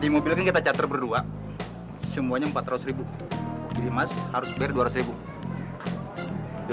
di mobil kita catur berdua semuanya empat ratus jadi mas harus berdorong ibu ibu iya